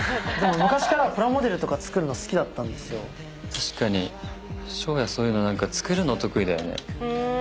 確かに翔也そういうの何か作るの得意だよね。